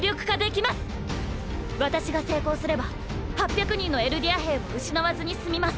私が成功すれば８００人のエルディア兵を失わずに済みます。